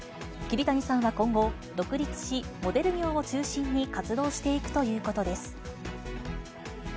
桐谷さんは今後、独立し、モデル業を中心に活動していくということです。